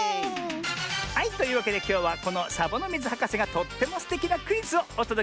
はいというわけできょうはこのサボノミズはかせがとってもすてきなクイズをおとどけするのミズよ。